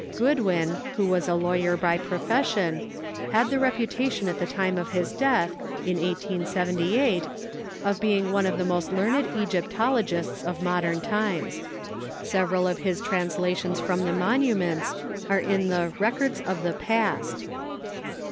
Goodwin, Avho was a lawyer by profession, had the reputation at the time of his death (in 1878) of being one of the most learned Egyptologists of modern times. Sev eral of his translations from the monuments are in the "Rec ords of the Past."